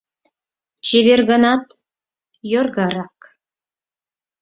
Чевер гынат, йоргарак.